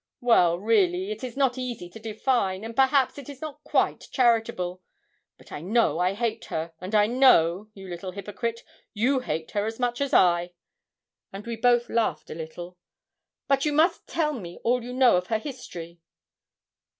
'Well, really, it is not easy to define, and, perhaps, it is not quite charitable; but I know I hate her, and I know, you little hypocrite, you hate her as much as I;' and we both laughed a little. 'But you must tell me all you know of her history.'